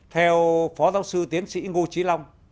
theo phó giáo sư tiến sĩ ngô trí long